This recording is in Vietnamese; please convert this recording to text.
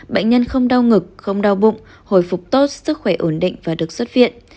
bệnh nhân không đau ngực không đau bụng hồi phục tốt sức khỏe ổn định và được xuất viện